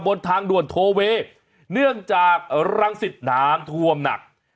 บนทางด่วนโทเวเนื่องจากรังสิตน้ำท่วมหนัก